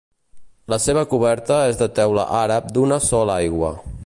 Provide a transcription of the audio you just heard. La seva coberta és de teula àrab d'una sola aigua.